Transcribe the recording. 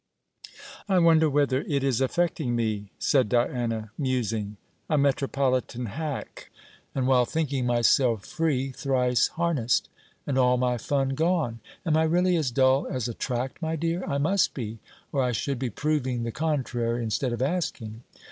'I wonder whether it is affecting me!' said Diana, musing. 'A metropolitan hack! and while thinking myself free, thrice harnessed; and all my fun gone. Am I really as dull as a tract, my dear? I must be, or I should be proving the contrary instead of asking.